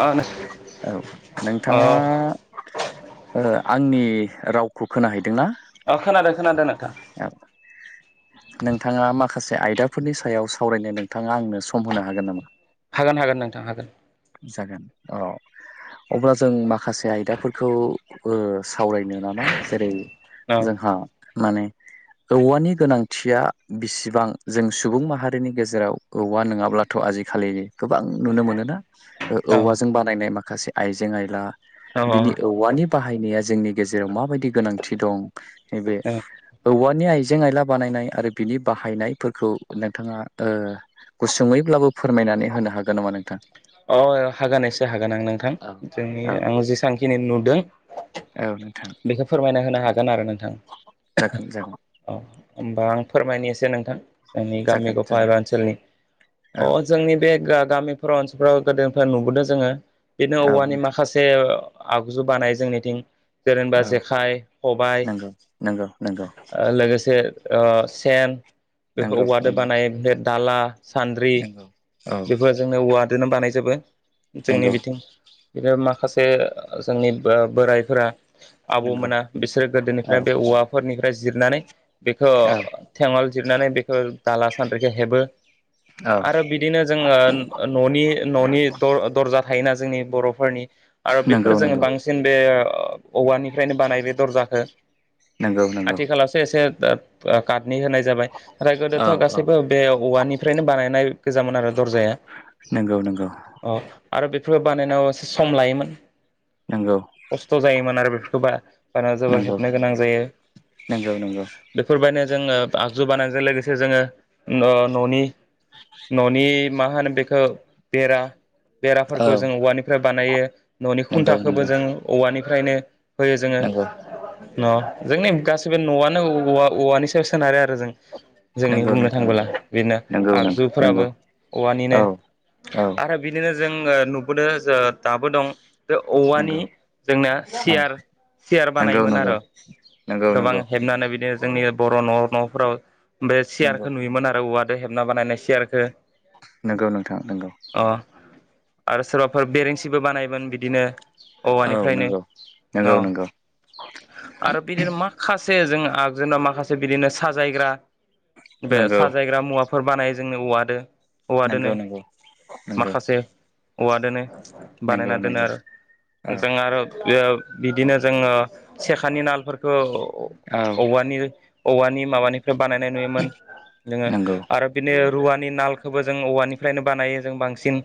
ओ औ औ नोंथाङा ओ आंनि रावखौ खोनाहैदोंना अ खोनादों खोनादों नोंथां [inaudible] नोंथाङा माखासे आयदाफोरनि सायाव सावरायनो नोंथाङा आंनो सम होनो हागोन नामा हागोन हागोन नोंथां हागोन जागोन औ अब्ला जों माखासे आयदाफोरखौ सावरायनो नामा जेरै औ जोंहा माने औवानि गोनांथिया बिसिबां जों सुबुं माहारिनि गेजेराव औवा नङाब्लाथ' आजिखालि गोबां नुनो मोनोना औ औवाजों बानायनाय माखासे आइजें आयला औ बिनि औवानि बाहायनाया जोंनि गेजेराव माबायदि गोनांथि दं नैबे नि आइजें आइला बानायनाय आरो बिनि बाहायनायफोरखौ नोंथाङा गुसुङैब्लाबो फोरमायनानै होनो हागोन नामा नोंथां अ हागोन एसे हागोन आं नोंथां औ जोंनि औ आं जेसेबांखिनि नुदों औ नोंथां बेखौ फोरमायना होनो हागोन आरो नों नोंथां जागोन जागोन औ होमबा आं फोरमायनिसै नोंथां जोंनि गामि जागोन गफा जागोन एबा ओनसोलनि औ अ जोंनि बे गा गामिफोराव ओनस- फ्राव गोदोनिफ्राय नुबोदों जोङो बिदिनो औ औवानि नोंथां माखासे आगजु बानायो जोंनिथिं जेरै होनबा औ जेखाइ खबाइ नंगौ नंगौ नंगौ लोगोसे ओ सेन बेफोर नंगौ औवादो नंगौ बानायो ओमफ्राय दाला सान्द्रि नंगौ औ बेफोरा जोंनो औवादोनो बानायजोबो जोंनि नंगौ बिथिं एबा माखासे ओ जोंनि बोरायफोरा नंगौ आबौमोना बिसोरो गोदोनिफ्राय औ बे औवाफोरनिफ्राय जिरनानै बेखौ औ थेंङल जिरनानै बेखो दाला सान्द्रिखो हेबो औ आरो बिदिनो जोङो न'नि न'नि द दरजा थायोना जोंनि बर'फोरनि आरो नंगौ बेफोर जोङो नंगौ बांसिन बे ओ औवानिफ्रायनो बानायो बे दरजाखौ नंगौ नंगौ आथिखालावसो एसे काद नि होनाय जाबाय नाथाय औ गोदोथ' औ गासैबो बे औवानिफ्रायनो बानायनाय गोजामोन आरो दरजाया नंगौ नंगौ अ आरो बेफोरखौ बानायनायाव एसे सम लायोमोन नंगौ खस्थ' जायोमोन आरो बेफोरखौ बा- बाना जोबोर नंगौ हेबनो गोनां जायो नंगौ नंगौ बेफोरबायदिनो जोङो आगजु बानायजों लोगोसे जोङो ओ न' न'नि न'नि मा होनो बेखौ बेरा औ बेराफोरखौ जों औवानिफ्राय बानायो न'नि नंगौ नंगौ खुन्थाखौबो जों औवानिफ्रायनो होयो जोङो नंगौ न' जोंनि गासैबो न'आनो औवा औवानि सायाव सोनारो आरो जों जोंनि नंगौ बुंनो नोंथां थाङबोला बिदिनो नंगौ नंगौ नंगौ आगजुफोराबो औवानिनो औ औ आरो बिदिनो जों ओ नुबोदो जो ओ दाबो दं बे औवानि नंगौ जोंना सियार सियार नंगौ बानायोमोन आरो नंगौ नंगौ गोबां नंगौ हेबनानै बिदिनो जोंनि बर' न' न'फोराव बे नंगौ सियारखौ नुयोमोन आरो औवादो हेबना बानायनाय सियारखो नंगौ नोंथां नंगौ अ आरो सोरबाफोर बेरेंसिबो बानायोमोन बिदिनो औ औवानिफ्रायनो नंगौ औ नंगौ नंगौ आरो बिदिनो माखासे जों जोंना माखासे बिदिनो साजायग्रा बे नंगौ साजायग्रा मुवाफोर बानाय जोंनो औवादो नगौ औवादोनो नंगौ नंगौ माखासे औवादोनो नंगौ बानायना दोनो नंगौ आरो औ जों आरो ओ बिदिनो जोङो सेखानि नाल फोरखौ औ औवानि औवानि‌ माबानि फ्राय बानायनाय नुयोमोन जोङो नंगौ आरो बिनि रुवानि नालखौबो जों औवानिफ्रायनो बानायो जों बांसिन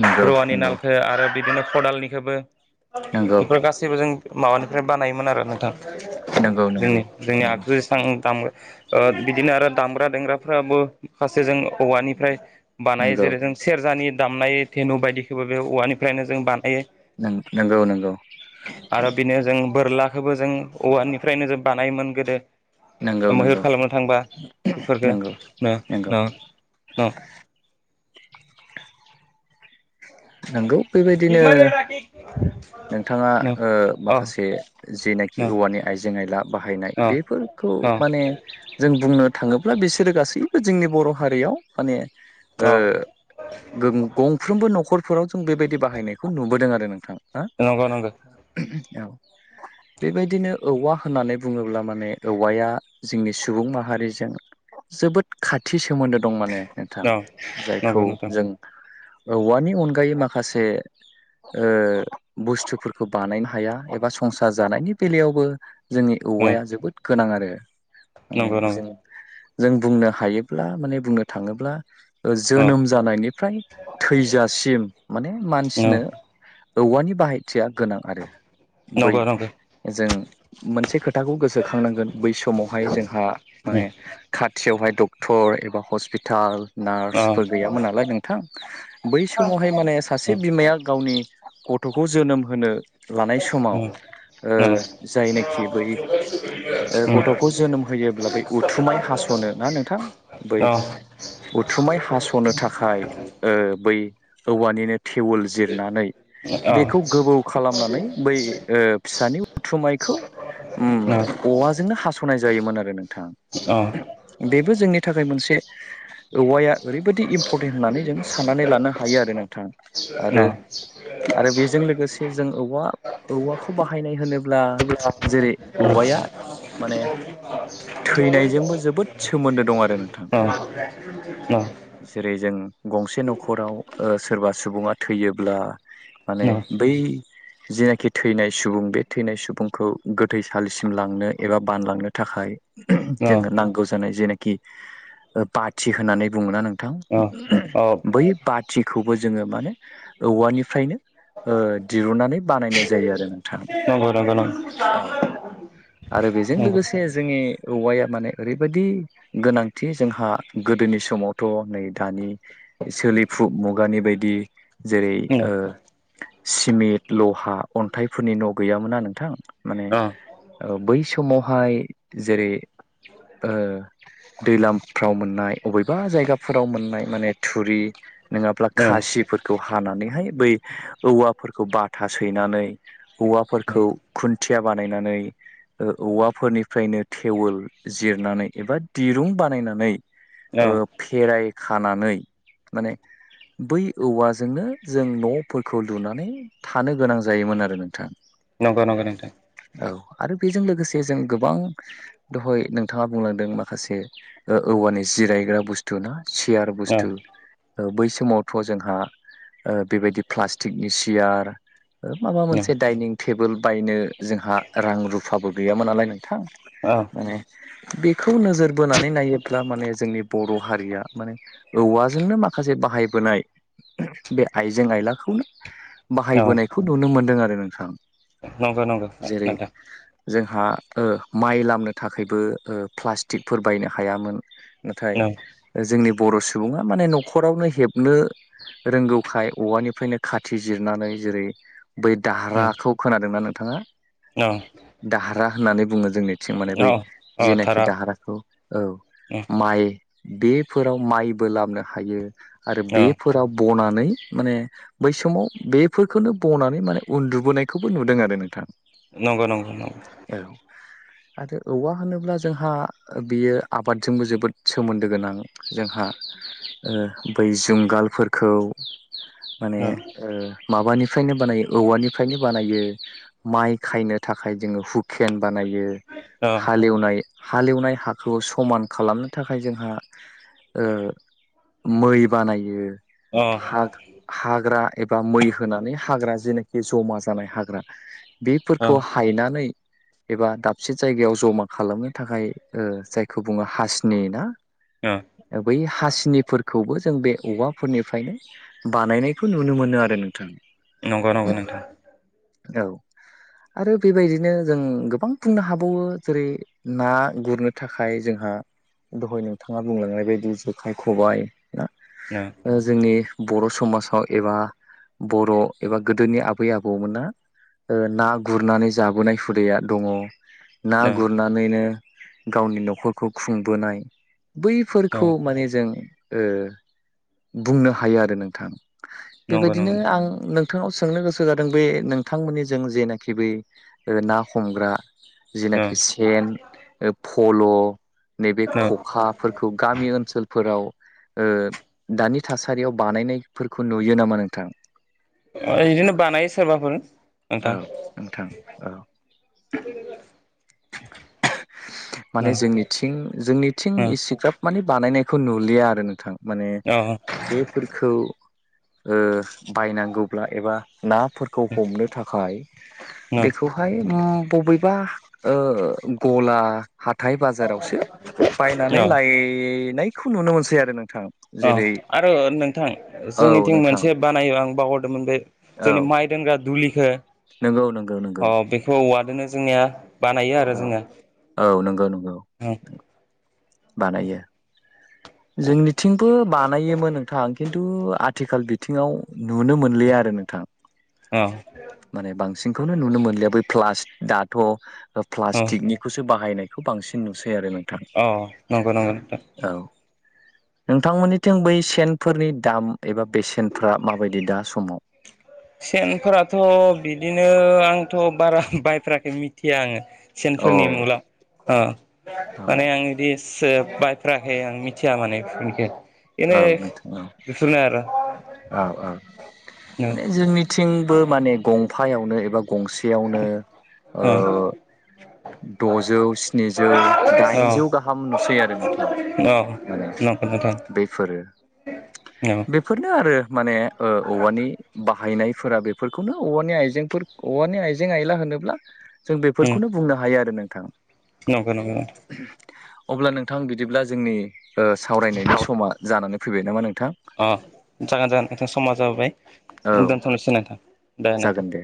नंगौ रुवानि नालखौ आरो बिदिनो खदालनिखोबो नंगौ बेफोर गासैबो जों माबानिफ्राय बानायोमोन आरो नोंथां नंगौ नंगौ जोंनि जोंनि आगजु एसेबां दाम- ओ बिदिनो आरो दामग्रा देंग्राफ्राबो माखासे जों औवानिफ्राय नंगौ बानाय जेरै जों सेरजानि दामनाय धेनु बायदिखौबो बे औवानिफ्रायनो जों बानायो नंगौ आरो बेनो जों बोरला खोबो जों औवानिफ्रायनो जों बानायोमोन गोदो नंगौ मैहुर खालामनो थांबा बेफोरबो नंगौ नंगौ नंगौ नंगौ नोंगौ बेबायदिनो नोंथाङा न ओ अ माखासे न जेनाखि औवानि आइजें आयला बाहायनाय अ बेफोरखौ खौ माने अ जों बुंनो थाङोब्ला बिसोरो गासै बो जोंनि बर' हारियाव माने ओ अ गंफ्रोमबो नखर न'खरफोराव जों बेबायदि बाहायनायखौ नुबोदों आरो नोंथां हा नंगौ नंगौ औ बेबायदिनो औवा होननानै बुङोब्ला माने औवाया जोंनि सुबुं माहारिजों जोबोद खाथि सोमोन्दो दं माने नोंथां औ नंगौ जायखौ नोंथां जों औवानि अनगायै माखासे बुस्थुफोरखौ बानायनो हाया एबा संसार जानायनि बेलायावबो जोंनि औ औवाया जोबोद गोनां आरो माने नंगौ नंगौ जों जों बुंनो हायोब्ला माने बुंनो थाङोब्ला औ जोनोम जानायनिफ्राय थैजासिम माने मानसिनो नंगौ औवानि बाहायथिया गोनां आरो बै नंगौ जों मोनसे खोथा खोथाखौ गोसोखांनांगोन बै समावहाय जोंहा माने खाथियावहाय डक्टर एबा हस्पिटाल नार्सफोर गैयामोन नालाय नोंथां बै अ समावहाय माने सासे अ बिमाया गावनि गथ'खौ जोनोम होनो लानाय औ नंगौ नोंथां समाव औ जायनोखि बै गथ'खौ जोनोम होयो फैयोब्ला बै उथुमाय हास'नो ना नोंथां बै उथुमाय हास'नो थाखाय बै औवानि बिनो थेवोल जिरनानै बेखौ गोबौ खालामनानै बै फिसानि उथुमायखौ औवाजोंनो हास'नाय जायोमोन आरो नोंथाङा बेबो जोंनि थाखाय मोनसे [inaudible] औवाया ओरैबायदि इम्परटेन्ट होननानै जों साननानै लानो हायो आरो नोंथाङा आरो आरो बेजों लोगोसे जों औवा औवाखौ बाहायनाय होनोब्ला जेरै औवाया माने थैनायजोंबो जोबोद सोमोन्दो दं आरो नोंथां जेरै जों गंसे न'खराव सोरबा सुबुङा थैयोब्ला माने बै जेनाखि थैनाय सुबुं बे थैनाय सुबुंखौ गोथैसालिसिम लांनो एबा बानलांनो थाखाय जोंनो नांगौ जानाय जेनाखि बाथि होननानै बुङो ना नों थां औ औ बै बाथिखौबो जोङो माने औवानिफ्रायनो ओ दिरुननानै बानायनाय जायो आरो नोंथां नंगौ नंगौ नोंथां औ आरो बेजों लोगोसे जोंनि औवाया माने ओरैबायदि गोनांथि जोंहा गोदोनि समावथ' नै दानि सोलिफु मुगानि बायदि जेरै सिमेन्ट लहा अन्थाइफोरनि न' गैयामोना नोंथां माने बै समावहाय जेरै दैलामफ्राव मोननाय अबेबा जायगाफोराव मोननाय माने थुरि नङाब्ला खासिफोरखौ हानानैहाय बै औवाफोरखौ बाथा सैनानै औवाफोरखौ खुन थिया बानायनानै औवाफोरनिफ्रायनो थेवोल जिरनानै एबा दिरुं बानायनानै फेराय खानानै माने बै औवाजोंनो जों न'फोरखौ लुनानै थानो गोनां जायोमोन आरो नोंथां नंगौ नंगौ नोंथां औ आरो बेजों लोगोसे जों गोबां दहाय नोंथाङा बुंलांदों माखासे औवा निस जिरायग्रा बुस्थु ना सियार बुस्थु बै समावथ' जोंहा बेबायदि प्लास्टिकनि सियार माबा मोनसे डाइनिं टेबोल बायनो जोंहा रां रुफाबो गैयामोन नालाय नोंथां माने बेखौ नोजोर बोनानै नायोब्ला माने जोंनि बर' हारिया माने औवाजोंनो माखासे बाहायबोनाय बे आइजें आयलाखौनो बाहायबोनायखौ नुनो मोनदों आरो नोंथां नंगौ नंगौ जेरै नोंथां जोंहा माइ लामनो थाखायबो प्लास्टिकफोर बायनो हायामोन नाथाय जोंनि बर' सुबुङा माने न'खरावनो हेबनो रोंगौखाय औवानिफ्रायनो खाथि जिरनानै जेरै बै दाहाराखौ खोनादोंना बिथाङा औ दाहारा होननानै बुङो जोंनि आथिं माने बै औ औ जेनाखि थारा दाहाराखौ औ औ माइ बेफोराव माइबो लाबनो हायो आरो बेफोराव बनानै माने बै समाव बेफोरखौनो बनानै माने उन्दुबोनायखौबो नुदों आरो नोंथां नंगौ नंगौ [inaudible] आरो औवा होनोब्ला जोंहा बियो आबादजोंबो जोबोद सोमोन्दो गोनां जोंहा बै जुंगालफोरखौ माने माबानिफ्रायनो बानायो औवानिफ्रायनो बानायो माइ खायनो थाखाय जोङो हुकेन बानायो औ हालेवनाय हालेवनाय हाखौ समान खालामनो थाखाय जोंहा मै बानायो औ हाग्रा एबा मै होनानै हाग्रा जेनोखि जमा जानाय हाग्रा बेफोरखौ हायनानै एबा दाबसे जायगायाव जमा खालामनो थाखाय जायखौ बुङो हासिनि ना औ बै हासिनिफोरखौबो जों बे औवा फोरनिफ्रायनो बानायनायखौ नुनो मोनो आरो नोंथांनि नंगौ नंगौ नोंथां औ आरो बेबायदिनो जों गोबां बुंनो हाबावो जेरै ना गुरनो थाखाय जोंहा हा दहाय नोंथाङा बुंलांनाय बायदि जेखाय खबाइ ना न जोंनि बर' समाजाव एबा बर' एबा गोदोनि आबै आबौमोना ना गुरनानै जाबोनाय हुदाया दङ ना ओ गुरनानैनो गावनि न'खरखौ खुंबोनाय ओ बैफोरखौ माने जों बुंनो हायो आरो नोंथां नंगौ बेबायदिनो नंगौ आं नों नोंथाङाव सोंनो गोसो जादों बे नोंथांमोननि जों जेनाखि बै ना हमग्रा जेनाखि सेन फल' नैबे ओ खखाफोरखौ गामि ओनसोलफोराव दानि थासारियाव बानायनायफोरखौ नुयो नामा नोंथां बिदिनो बानायो सोरबाफोर नोंथां औ नोंथां औ [unintelligible] माने ओ जोंनिथिं जोंनिथिं ओ इसिग्राब माने बानायनाय बेखौ नुलिया आरो नोंथां माने औ बेफोरखौ बायनांगौब्ला एबा नाफोरखौ हमनो थाखाय औ बेखौहाय बबेबा गला हाथाय बाजारावसो बायनानै औ लायनायखौ नुनो मोनसै आरो नोंथां अ जेरै आरो नोंथां औ जोंनिथिं नोंथां मोनसे बानायो आं बावहरदोंमोन बे औ जोंनि माइ दोनग्रा दुलिखौ नंगौ नंगौ नंगौ अ बेखौ औवादो जोंनिया बानायो आरो औ जोङो औ नंगौ नंगौ बानायो जोंनिथिंबो बानायोमोन नोंथां खिन्थु आथि आथिखाल बिथिङाव नुनो मोनलिया आरो नोंथां माने बांसिनखौनो नुनो मोनलिया बै प्लास दाथ' औ प्लास्टिकनिखौसो बाहायनायखौ बांसिन नुसै आरो नो अ नंगौ नंगौ [inaudible] नोंथांमोननिथिं बै सेनफोरनि दाम एबा बेसेनफ्रा माबायदि दा समाव सेनफोराथ' बिदिनो आंथ' बारा बायफेराखै मिथिया आङो अ सेनफोरनि मुला औ माने आं बिदि सोब बायफेराखै आं मिथिया मानेखौ औ नोंथां औ औ माने जोंनि थिंबो माने गंफायावनो एबा गंसेयावनो द'जौ स्निजौ औ दाइनजौ गाहाम नुसै आरो नोंथां औ माने नंगौ नंगौ नोंथां बेफोरो बेफोरनो आरो माने औवानि बाहायनायफोरा बेफोरखौनो औवानि आइजेंफोर औवानि आइजें आयला होनोब्ला जों बेफोरखौनो बुंनो हायो आरो नोंथाङा नंगौ नंगौ अब्ला नोंथां बिदिब्ला जोंनि सावरायनायनि समा जानानै फैबाय नामा नोंथां अ जागोन जागोन नोंथां समा जाबाय औ दोनथ'नोसै नोंथां दे नोंथां [inaudible]